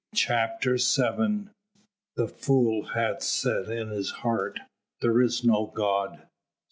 CHAPTER VII "The fool hath said in his heart, There is no God."